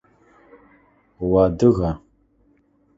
Уадыга?